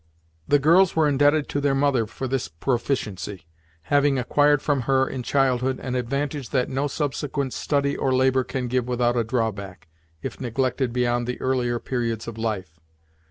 The girls were indebted to their mother for this proficiency, having acquired from her, in childhood, an advantage that no subsequent study or labor can give without a drawback, if neglected beyond the earlier periods of life.